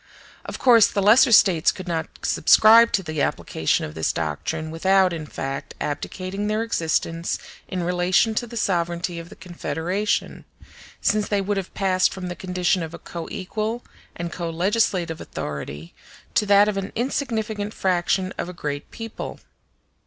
Of course the lesser States could not subscribe to the application of this doctrine without, in fact, abdicating their existence in relation to the sovereignty of the Confederation; since they would have passed from the condition of a co equal and co legislative authority to that of an insignificant fraction of a great people.